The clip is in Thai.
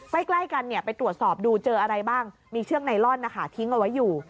ใกล้กันไปตรวจสอบดูเจออะไรบ้างมีเชือกไนลอนนะคะทิ้งเอาไว้อยู่